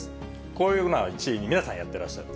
こういうような、１位、皆さんやってらっしゃる。